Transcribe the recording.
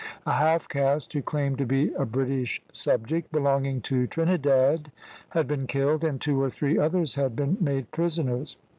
A half caste, who claimed to be a British subject, belonging to Trinidad, had been killed, and two or three others had been made prisoners.